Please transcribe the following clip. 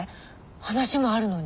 話もあるのに。